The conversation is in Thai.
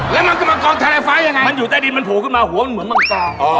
แล้วมันก็มังกองทะลายฟ้ายังไงมันอยู่ใต้ดินมันโผล่ขึ้นมาหัวมันเหมือนมังกร